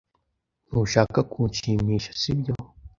Ntushaka kunshimisha, sibyo?